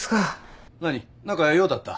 何何か用だった？